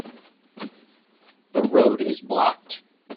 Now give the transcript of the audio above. The road is blocked.